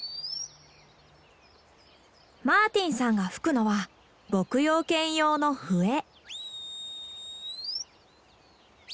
マーティンさんが吹くのは牧羊犬用の笛。